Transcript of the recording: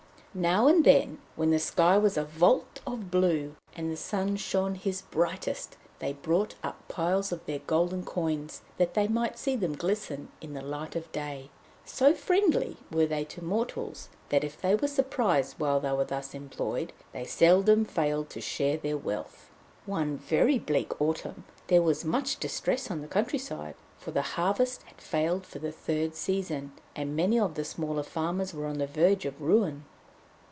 Now and then, when the sky was a vault of blue, and the sun shone his brightest, they brought up piles of their golden coins, that they might see them glisten in the light of day. So friendly were they to mortals, that if they were surprised while thus employed, they seldom failed to share their wealth. One very bleak autumn there was much distress on the countryside, for the harvest had failed for the third season, and many of the smaller farmers were on the verge of ruin.